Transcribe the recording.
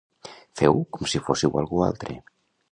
Feu com si fóssiu algú altre.